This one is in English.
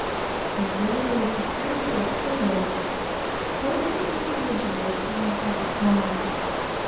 It will raise the character of sailors, both as individuals and as a class.